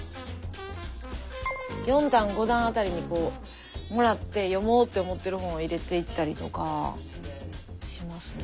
４段５段辺りにもらって読もうって思っている本を入れていったりとかしますね。